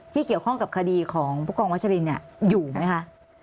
เกี่ยวข้องกับคดีของผู้กองวัชรินอยู่ไหมคะ